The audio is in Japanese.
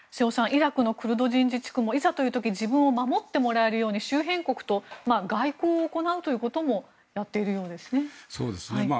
イラクのクルド人自治区もいざという時自分を守ってもらえるように周辺国と外交を行うこともやっているようですね。